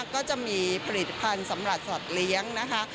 ก็จะมีผลิตภัณฑ์สำหรับสัตว์เลี้ยงนะคะ